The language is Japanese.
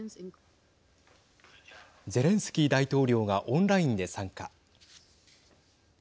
ゼレンスキー大統領がオンラインで参加。